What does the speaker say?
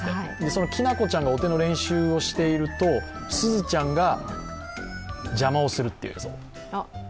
そのきなこちゃんがお手の練習をしていると、すずちゃんが邪魔をするという。